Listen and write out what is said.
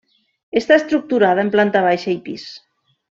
Està estructurada en planta baixa i pis.